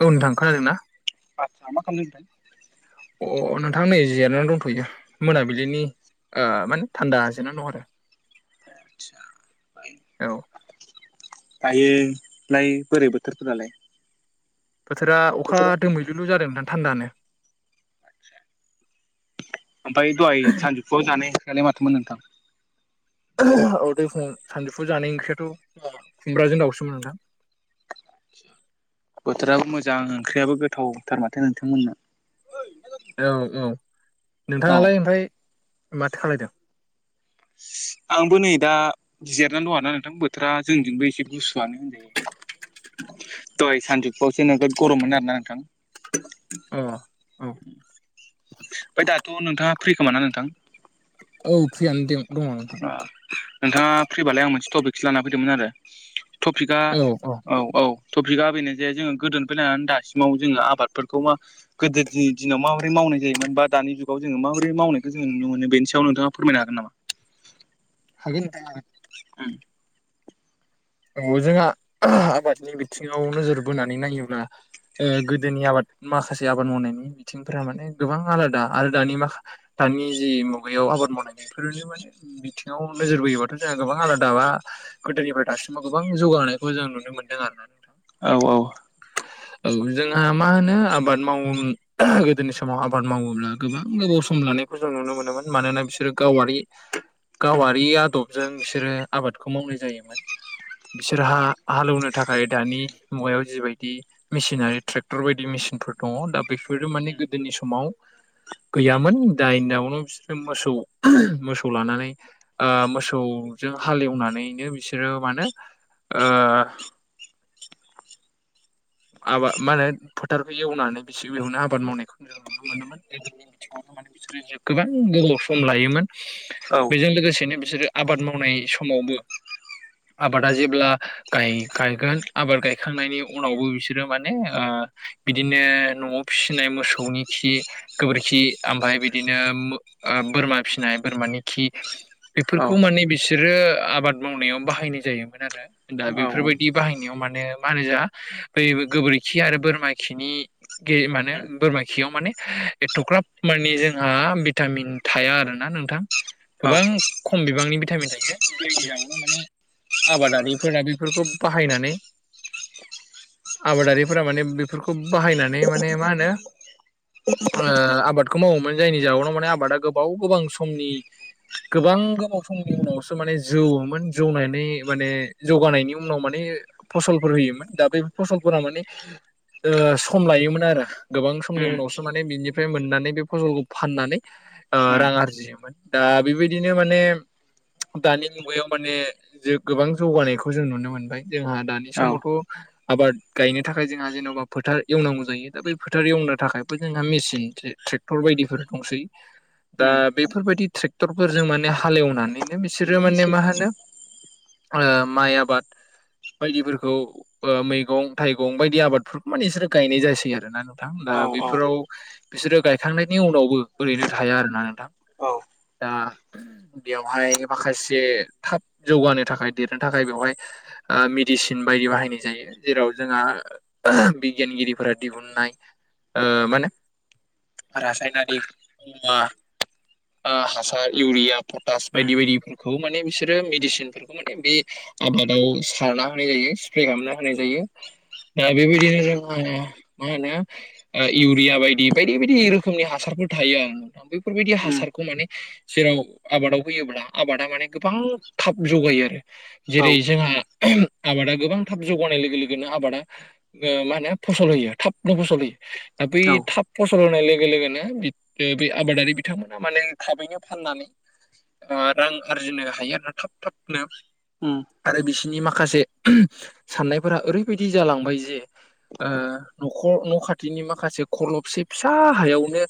औ नोथां खोनादों ना? [unintelligible] अ नोंथां नै जिरनानै दंथ'यो मोनाबिलिनि ओ माने थान्दा जेना दं आरो औ दायो लाय बोरै बोथोरफोरालाय बोथोरा अखा दोमैलुलु जादों ना थान्दानो ओमफाय दहाय सानजौफुआव जानायलाय माथोमोन नोंथां [unintelligible] सानजौफु जानाय ओंख्रियाथ' खुमब्राजों दाउसोमोन नोंथां बोथोराबो मोजां ओंख्रियाबो गोथावथार माथो नोंथांमोनना औ औ औ नोंथांङालाय ओमफाय माथो खालायदों आंबो नै दा बिजिरनानै दङ आरोना नोंथां बोथोरा जोंथिंबो एसे गुसुआनो होनजायो। दहा सानजुफुवासो नोगोद गरममोन आरो ना नोंथां। अ औ ओमफ्राय दाथ' नोंथाङा फ्रि खोमा ना नोंथां औ फ्रियानो दे दंङ नोंथां। नोंथांङा फ्रिबालाय आं मोनसे टपिकसो लाना फैदोंमोन आरो टपिकआ औ औ औ-औ! टपिकआ बेनो जे जोङो गोदोनिफाय नायनै दासिमाव जोंङो आबादफोरखौ मा गोदोनि दिनाव माबोरै मावनाय जायोमोन बा दानि जुगाव जोङो माबोरै मावनायखौ जोंङोनो मोनो बेनि सायाव नोंथाङा फोरमनो हागोन नामा? हागोन नोंथां हागोन उम औ जोंहा आबादनि बिथिङाव नोजोर बोनानै नायोब्ला ओ गोदोनि आबाद माखासे आबाद मावनायनि बिथिंफोरा माने गोबां आलादा आरो दानि माखा दानि जि मुगायाव आबाद मावनायनायफोरनो माने बिथिंआव नोजोर बोयोबाथ' जोंहा गोबां आलादाबा गोदोनिफ्राय दासिमाव गोबां जौगानायखौ जों नुनो मोन्दों आरो ना। नोंथां औ औ औ जोंहा मा होनो आबाद मावो गोदोनि समाव आ बाद मावोब्ला गोबां गोबाव सम लानायखौ जों नुनो मोनोमोन मानोना बिसोरो गावारि गावारि आदबजों बिसोरो आबादखौ मावनाय जायोमोन। बिसोर हा हालेवनो थाखाय दानि मुवायाव जिबाय बिदि मेसिनारि ट्रेक्टर बायदि मेसिनफोर दङ दा बेफोरो माने गोदोनि समाव गैयामोन दायो दउनो बिसोरो मोसौ मोसौ लानानै ओ मोसौजों हालेवनानैनो बिसोरो मानो ओ आबाद मा होनो फोथारखौ एवनानै बिसि बेवनो आबाद मावनायखौ जों नुनो मोनोन [unintelligible] गोबां गोबाव सम लायोमोन। औ बेजों लोगोसेनो बिसोरो आबाद मावनाय समावबो आबादा जेब्ला गाय गायगोन आबाद गायखांनायनि उनावबो बिसोर बिसोरो माने ओ बिदिनो न'आव फिसिनाय मोसौनि खि गोबोरखि ओमफाय बिदिनो ओ बोरमा फिनाय बोरमानि खि बेफोरखौ माने बिसोरो आबाद मावनायाव बाहायनाय जायोमोन आरो दा औ बेफोरबायदि बाहायनायाव माने मा होनो जा बै गोबोरखि आरो बोरमा खिनि गे माने बोरमा खियाव माने एथग्राब माने जोंहा भिटामिन थाया आरो ना नोंथां गोबां खम बिबांनि भिटामिन थायो बेनिजाउनाव माने आबादारिफोरा बेफोरखौ बाहायनानै आबादारिफोरा माने बेफोरखौ बाहायनानै माने मा होनो ओ आबादखौ मावोमोन जायनि जाउनाव माने आबादा गोबाव गोबां समनि गोबां गोबाव समनि उनावसो माने जौवोमोन जौनानै माने जौगानायनि उनाव माने फसलफोर होयोमोन दा बे फसलफोरा माने ओ सम लायोमोन आरो गोबां समनि उनावसो माने बिनि फ्राय मोननानै बे फसलखौ फाननानै ओ रां आरजियोमोन दा बिबायदिनो माने दानि मुगायाव माने जों गोबां जौगानायखौ जों नुनो मोनबाय जोंहा दानि समावथ' आबाद गायनो थाखाय जोंहा जेन'बा फोथार एवनांगौ जायो दा बे फोथार एवनो थाखायबो जोंहा मेचिन थ्रेक्टर बायदिफोर दंसै दा बेफोरबायदि थ्रेक्टरफोरजों माने हालेवनानैनो बिसोरो माने मा होनो ओ माइ आबाद बायदिफोरखौ ओ मैगं थाइगं बायदि आबादफोरखौ माने इसोरो गायनाय जासै आरो ना नोंथां दा औ बेफोराव बिसोरो गायखांनायनि उनावबो ओरैनो थाया आरोना नोंथां दा बेवहाय माखासे थाब जौगानो थाखाय देरनो थाखाय बेवहाय ओ मिडिसिन बायदि बाहायनाय जायो जेराव जोंहा बिगियानगिरिफोरा दिहुननाय ओ माने रासायनारि मुवा ओ हासार इउरिया पटास बायदि बायदि खौ माने बिसोरो मिडिसिनफोरखौ माने बे आबादाव सारना होनाय जायो सिप्रे खामना। होनाय जायो दा बेबायदिनो जोहा मा होनो ओ इउरिया बायदि बायदि बायदि रोखोमनि हासारफोर थायो आरो ना नोंथां बेफोरबायदि औ हासारखौ माने जेराव आबादाव होयोब्ला आबादा माने गोबां थाब जौगायो आरो। जेरै जोंहा आबादा गोबां थाब जौगानाय लोगो लोगोनो आबादा ओ मा होनो फसल होयो थाबनो फसल होयो दा बै थाब फसल होनाय लोगो लोगोनो बे-बे आबादारि बिथांमोना माने थाबैनो फाननानै ओ रां आरजिनो हायो आरोना थाब थाबनो। उम आरो बिसिनि माखासे साननायफोरा ओरैबायदि जालांबाय जे ओ न'खर न' खाथिनि माखासे खरलबसे फिसा हायावनो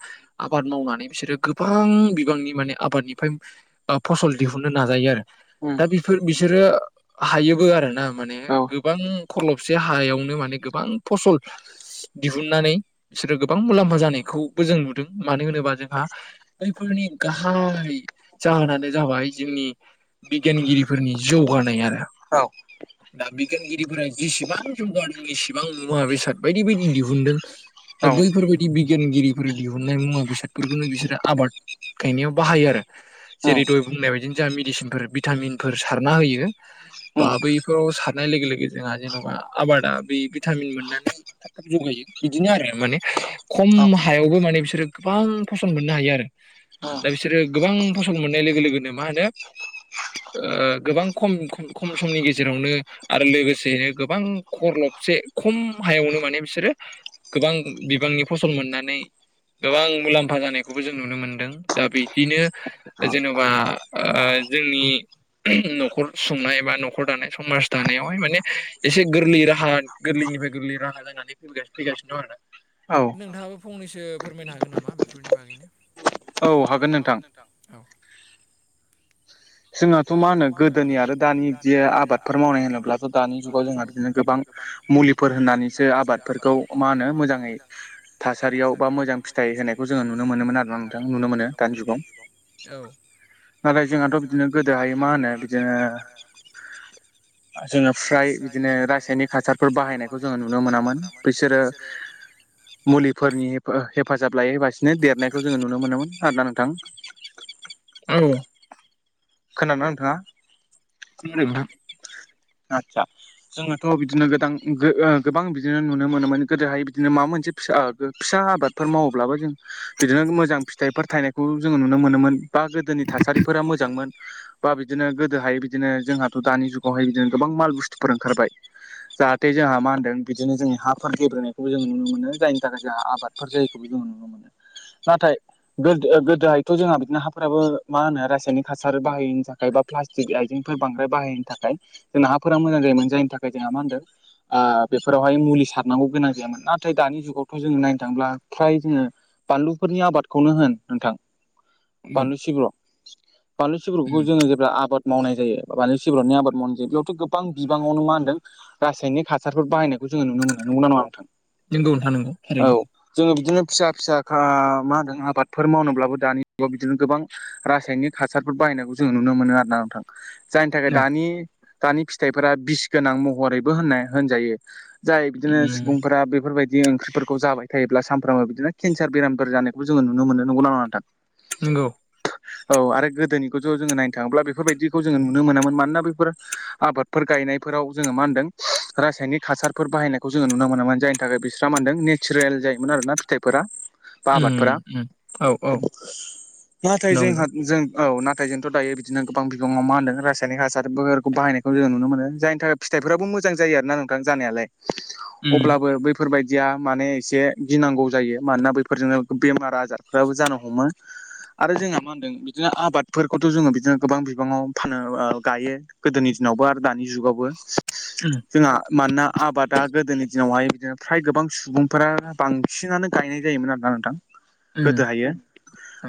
आबाद मावनानै बिसोरो गोबां बिबांनि माने आबादनिफ्राय ओ फसल दिहुननो नाजायो आरो। दा बिफोर बिसोरो हायोबो आरो ना माने। गोबां खरलबसे हायावनो माने गोबां फसल दिहुननानै सोरो गोबां मुलाम्फा जानायखौबो जों नुदों मानो होनोबा जोंहा बैफोरनि गाहाय जाहोनानो जाबाय जोंनि बिगियानगिरिफोरनि जौगानाय आरो। बिगानगिरिफोरा जिसेबां जौगादों एसिबां मुवा बेसाद बायदि बायदि दिहुनदों। दा बैफोरबायदि बिगियानगिरिफोर दिहुननाय मुवा बेसादफोरखौनो बिसोरो आबाद गायनायाव बाहायो आरो। जेरै दहाय बुंनाय बायदिनो जों मिडिसिनफोर भिटामिनफोर सारना होयो बा बैफोराव सार नाय लोगो लोगो जोंहा जेन'बा आबादा बे भिटामिन मोननानै थाब थाब जौगायो। बिदिनो आरो माने औ खम हायावबो माने बिसोरो गोबां फसन मोननो हायो आरो। औ दा बिसोरो गोबां फसल मोननाय लोगो लोगोनो मा होनो ओ गोबां खम खम समनि गेजेरावनो आरो लोगोसेयै गोबां खरलबसे खम हायावनो माने बिसोरो गोबां बिबांनि फसल मोननानै गोबां मुलाम्फा जानायखौबो जों नुनो मोनदों दा बिदिनो जेन'बा ओ जोंनि न'खर सुंनाय बा न'खर दानाय समाज दानायावहाय माने एसे गोरलै राहा गोरलैनिफ्राय गोरलै राहा जानानै फैगा-फैगासिनो दं आरोना। औ नोंथाङाबो फंनैसो फोरमायनो हागोन नामा बेफोरनि बागैनो औ हागोन नोंथां औ [unintelligible] जोंहाथ' मा होनो गोदोनि आरो दानि बिदि आबादफोर मावनाय होनोब्लाथ' दानि जुगाव जोंहा बिदिनो गोबां मुलिफोर होननानैसो आबादफोरखौ मा होनो मोजाङै थासारियाव बा मोजां फिथाइ होनायखौ जोङो नुनो मोनोमोन आरोना नोंथां नुनो मोनो दानि जुगाव। औ नाथाय जोंहाथ' [unintelligible] बिदिनो गोदोहाय गोदो हाय मा होनो बिदिनो ओ जोङो फ्राय बिदिनो रासायनिक हासारफोर बाहायनायखौ जोङो नुनो मोनामोन बैसोरो [inaudible] मुलिफोरनि [unintelligible] हेफाजाब लायोबासिनो देरनायखौ जोङो नुनो मोनोमोन आरोना नोंथां [unintelligible] खोना ना नोंथाङा? [unintelligible] आदसा जोङोथ' बिदिनो गोदां ओ गोबां बिदिनो नुनो मोनोमोन गोदोहाय बिदिनो माबा मोनसे फिसा फिसा आबादफोर मावोब्लाबो जों बिदिनो मोजां फिथाइफोर थाइनायखौ जोङो नुनो मोनोमोन बा गोदोनि थासारिफोरा मोजांमोन बा बिदिनो गोदोहाय बिदिनो जोंहाथ' दानि जुगावहाय [unintelligible] गोबां माल बुस्थुफोर ओंखारबाय जाहाथे जोंहा मा होनदों बिदिनो जोंनि हाफोर गेब्रेंनायखौ जों नुनो मोनो जायनि थाखाय जोंहा आबाद फोर जायैखौबो [unintelligible] नुनो मोनो नाथाय गोदो गोदोहायथ' जोंहा बिदिनो हाफोराबो मा होनो रासायनिक हासार बाहायैनि थाखाय बा प्लास्टिक आइजेंफोर बांद्राय बाहायनो थाखाय जोंना हाफोरा मोजां जायोमोन जायनि थाखाय जोंहा मा होनदों ओ बेफोरावहाय मुलि सारनांगौ गोनां जायामोन नाथाय दानि जुगावथ' जोङो नायनो थाङोब्ला फ्राय जोङो बानलुफोरनि आबादखौनो होन नोंथां औ बानलु सिब्रु बानलु सिब्रुखौ जोङो जे [unintelligible] आबाद मावनाय जायो बानलु सिब्रनि आबाद मावनाय जायो बेयाव गोबां बिबाङावनो मा होनदों रासायनिक हासारफोर बायनायखौ जोङो नुनो मोनो नंगौ ना नङा नोंथां नंगौ नोंथां नंगौ औ थारैनो जोङो बिदिनो फिसा फिसा खा मा होनदों आबादफोर मावनोब्लाबो दानि जुगाव बिदिनो गोबां रासायनिक हासारफोर बाहायनायखौ जों नुनो मोनो आरो ना नोंथां जायनि थाखाय दानि दानि फिथाइफोरा बिस गोनां महरैबो होननाय होनजायो जाय बिदिनो उम सुबुंफोरा बेफोरबायद बिदि ओंख्रिफोरखौ जाबाय थायोब्ला सानफ्रामबो बिदिनो केन्सार बेरामफोर जानायखौ जोङो नुनो मोनो नंगौ ना नङा नोंथां नोंगौ औ आरो गोदोनिखौ थ' जोङो नायनो थाङोब्ला बेफोरबायदिखौ जोङो नुनो मोनामोन मानोना बैफोर आबादफोर गायनायफोराव जोङो मा होनदों रासायनिक हासारफोर बाहायनायखौ जोङो नुनो मोनोमोन जायनि थाखाय बिस्रा मा होनदों ने सिरेल जायोमोन आरो ना फिथाइफोरा बा उम आबादफोरा उम औ औ नाथाय नंगौ जोंहा जों औ नाथाय जोंथ' दायो बिदिनो गोबां बिबाङाव मा होनदों रासायनिक हासार बोर बाहायनाय जों नुनो मोनो जायनि थाखाय फिथाइफोराबो मोजां जायो आरोना नोंथां जानायालाय उम अब्लाबो बै फोरबायदिया माने एसे गिनांगौ जायो मानोना बैफोरजोंनो बेमार आजारफ्राबो जानो हमो आरो जोंहा मा होनदों बिदिनो आबादफोरखौथ' जोङो बिदिनो गोबां बिबाङाव फानो ओ गायो गोदोनि दिनावबो आरो दानि जुगावबो [unintelligible] जोंहा मानोना आबादा गोदोनि दिनावहाय बिदिनो फ्राय गोबां सुबुंफोरा बां सिनानो गायनाय जायोमोन आरोना नोंथां उम गोदोहायो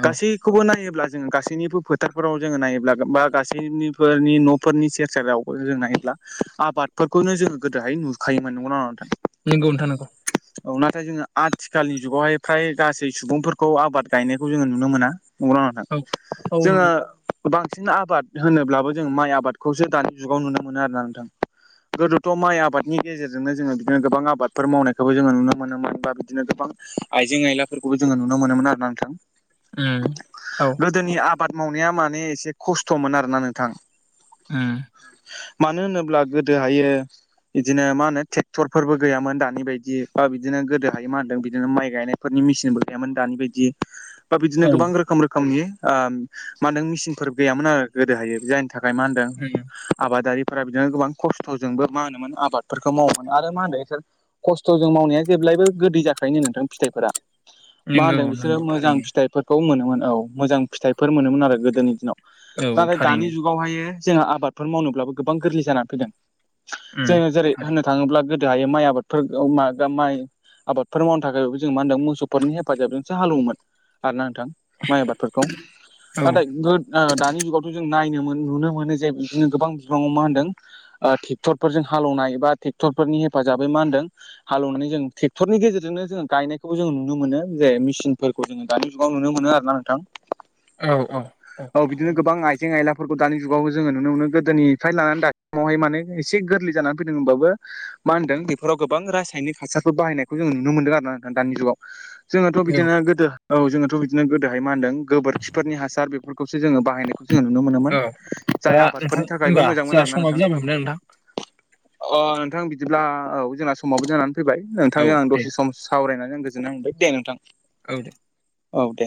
औ गासै खौबो नायोब्ला जोङो गासैनिबो फोथारफोराव जोङो नायोब्ला बा गासैफोरनि न'फोरनि से सेरावबो जों नायोब्ला आबादफोरखौनो जोङो गोदोहाय नुखायोमोन नंगौ ना नङा नोंथां नोंगौ नोंथां नोंगौ। औ नाथाय जोङो आथिखालनि जुगावहाय फ्राय गासै सुबुंफोरखौ आबाद गायनायखौ जोङो नुनो मोनाव नंगौ ना नङा औ नोंथां? औ जोङो नंगौ बांसिन आबाद होनोब्लाबो जों माइ आबादख खौसो दानि जुगाव नुनो मोनो आरोना नोंथां। गोदोथ' माइ आबादनि गेजेरजोंनो जोङो बिदिनो गोबां आबादफोर मावनायखौबो जोङो नुनो मोनोमोन बा बिदिनो गोबां आइजें आयलाफोरखौबो जोङो नुनो मोनोमोन आरो ना नोंथां। उम औ। गोदोनि आबाद मावनाया माने एसे खस्थ'मोन आरोना नोंथां। उम। मानो होनोब्ला गोदोहायो बिदिनो मा होनो ट्रेक्टरफोरबो गैयामोन दानि बायदि बा बिदिनो गोदोहाय मा होनदों बिदिनो माइ गायनाय फोरनि मेसिनबो गैयामोन दानि बायदि बा बिदिनो औ गोबां रोखोम रोखोमनि ओ मा होनदों मेसिनफोर गैयामोन आरो गोदो हायो जायनि थाखाय मा होनदों उम। आबादारिफोरा बिदिनो गोबां खस्थ'जोंबो मा होनोमोन आबादफोरखौ मावोमोन। आरो मा होनो बिसोर खस्थ'जों मावनाया जेब्लायबो गोदै जाखायोनो नोंथां फिथाइफोरा। मा नंगौ होनदों बिसोरो नंगौ मोजां थारैनो। फिथाइफोर खौ मोनोमोन औ मोजां फिथाइफोर मोनोमोन आरो गोदोनि दिनाव। औ नाथाय दानि थारैनो जुगावहायो जोंहा आबादफोर मावनोब्लाबो गोबां गोरलै जानानै फैगोन उम जोङो जेरै होननो थारैनो थाङोब्ला हायो माइ आबादफोर मा गा माइ आबादफोर मावनो थाखायबो जों मा होनदों मोसौफोरनि हेफाजाबजोंसो हालेवोमोन आरोना नोंथां। माइ आबादफोरखौ औ नाथाय गोद ओ दानि जुगावथ' जों नायनो नुनो मोन जे बिदिनो गोबां बिफाङाव मा होनदों ट्रेक्टरफोरजों हालौनाय एबा ट्रेक्टरफोरनि हेफाजाबै मा होनदों हालौवनानै जों ट्रेक्टरनि गेजेरजोंनो जोङो गायनायखौबो जोङो नुनो मोनो जे मेसिनफोर खौ जोङो दानि जुगाव नुनो मोनो आरोना नोंथां। औ औ औ बिदिनो गोबां आइजें आयलाफोरखौ दानि जुगाव जोङो नुनो मोनो गोदोनिफ्राय लानानै दासिमावहाय माने एसे गोरलै जानानै फैदों होनबाबो मा होनदों बेफोराव गोबां रासायनिक हासारफोर बाहायनायखौ जों नुनो मोनदों आरोना दानि जुगा जोंनाथ' औ बिदिनो गोदो औ जोङोथ' बिदिनो गोदोहाय मा होनदों गोबोरखिफोरनि हासार बेफोरखौसो जोङो बाहायनायखौ जोङो नुनो मोनोमोन। औ जाय दा नोंथां आबादफोरनि थाखायबो होमबा मोजांमोन जोंहा आरो ना समाबो नोंथां। जाबायमोनना नोंथां अ नोंथां बिदिब्ला औ जोंहा समाबो जानानै फैबाय औ नोंथांजों आं दे दसे सम सावरायनानै आं गोजोननाय मोनबाय दे नोंथां। औ दे। औ दे।